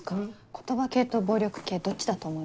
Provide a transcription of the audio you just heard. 言葉系と暴力系どっちだと思いますか？